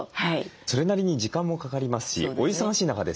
それなりに時間もかかりますしお忙しい中ですとね